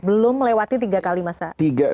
belum melewati tiga kali masa